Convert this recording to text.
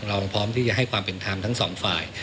พร้อมที่จะให้ความเป็นธรรมทั้งสองฝ่าย